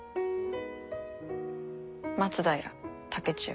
松平竹千代。